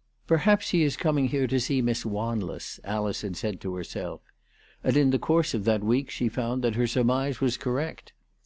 " PERHAPS lie is coming here to see Miss Wanless," Alice had said to herself. And in the course of that week she found that her surmise was correct.